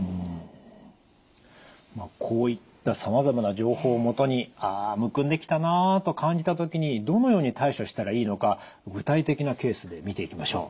こういったさまざまな情報を基にああむくんできたなあと感じた時にどのように対処したらいいのか具体的なケースで見ていきましょう。